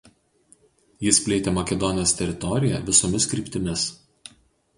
Jis plėtė Makedonijos teritoriją visomis kryptimis.